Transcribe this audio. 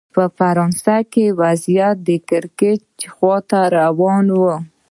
په پاریس کې وضعیت د کړکېچ خوا ته روان و.